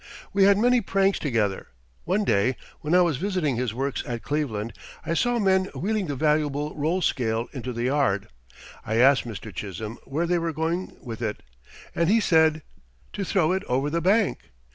We had many pranks together. One day, when I was visiting his works at Cleveland, I saw men wheeling this valuable roll scale into the yard. I asked Mr. Chisholm where they were going with it, and he said: "To throw it over the bank.